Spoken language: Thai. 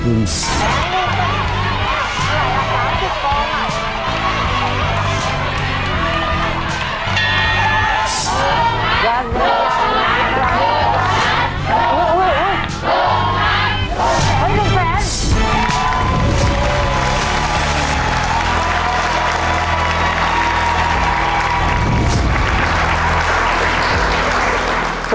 เฮ้ยลูกแฟน